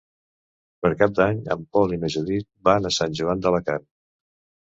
Per Cap d'Any en Pol i na Judit van a Sant Joan d'Alacant.